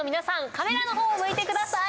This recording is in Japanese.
カメラの方を向いてください。